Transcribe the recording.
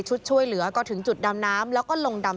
ชุดช่วยเหลือก็ถึงจุดดำน้ำ